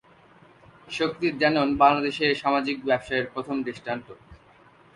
শক্তি-ড্যানোন বাংলাদেশে সামাজিক ব্যবসায়ের প্রথম দৃষ্টান্ত।